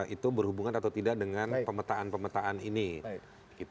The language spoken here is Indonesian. itu berhubungan atau tidak dengan pemetaan pemetaan ini